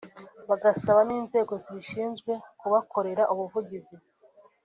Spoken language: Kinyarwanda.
bagasaba n’inzego zibishinzwe kubakorera ubuvugizi